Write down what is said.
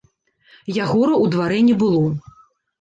Ягора ў дварэ не было.